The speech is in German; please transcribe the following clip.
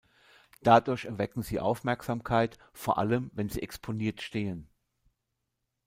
Dadurch erwecken sie Aufmerksamkeit, vor allem wenn sie exponiert stehen.